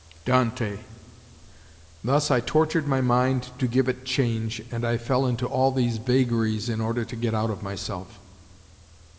DANTE. Thus I tortured my mind to give it change and I fell into all these vagaries in order to get out of myself.